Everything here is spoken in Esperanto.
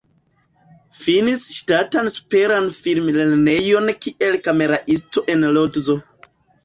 Finis Ŝtatan Superan Film-Lernejon kiel kameraisto en Lodzo.